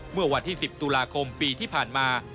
เมื่อวันที่๑๐ตุลาคมปีที่ผ่านมา